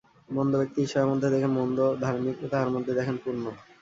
মন্দ ব্যক্তি ঈশ্বরের মধ্যে দেখে মন্দ, ধার্মিক তাঁহার মধ্যে দেখেন পুণ্য।